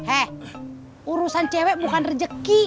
eh urusan cewek bukan rezeki